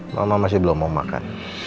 mama masih belum mau makan